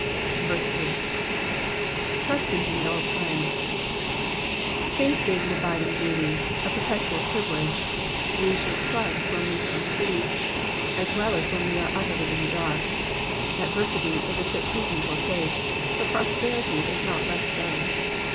S.^^ Trust in him at all times,'''' Faith is an abiding duty, a perpetual privilege. We should trust when we can see, as well as when we are utterly in the dark. Adversity is a fit season for faith ; but prosperity is not less so.